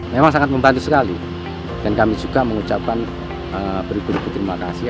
memang sangat membantu sekali dan kami juga mengucapkan beribu ribu terima kasih